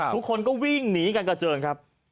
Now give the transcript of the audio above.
ทุกคนก็วิ่งหนีกันกระเจิงครับ